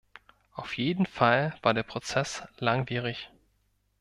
Auf jeden Fall war der Prozess langwierig.